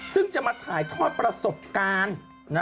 ซึ่งจะมาถ่ายทอดประสบการณ์